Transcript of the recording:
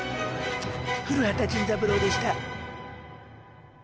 古畑ジンズ三郎でした。